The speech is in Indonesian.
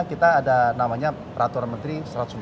kita ada namanya ratuar menteri